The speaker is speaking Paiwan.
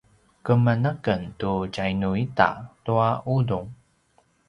keman a ken tu tjanu ita tua udung